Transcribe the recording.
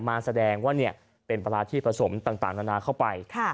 มาแสดงว่าเนี้ยเป็นปลาร้าที่ผสมต่างต่างนานาเข้าไปค่ะ